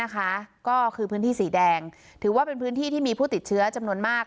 ก็คือพื้นที่สีแดงถือว่าเป็นพื้นที่ที่มีผู้ติดเชื้อจำนวนมาก